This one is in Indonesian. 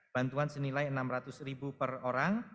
bantuan senilai rp enam ratus ribu per orang